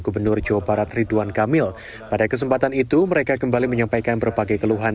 gubernur jawa barat ridwan kamil pada kesempatan itu mereka kembali menyampaikan berbagai keluhan